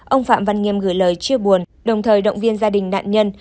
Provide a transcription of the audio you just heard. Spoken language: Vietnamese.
ông phạm văn nghiêm gửi lời chia buồn đồng thời động viên gia đình nạn nhân